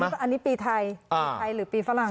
อันนี้ปีไทยหรือปีฝรั่ง